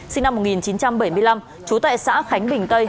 sinh năm một nghìn chín trăm bảy mươi năm trú tại xã khánh bình tây